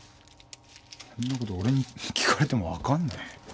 そんなこと俺に聞かれても分かんないよ。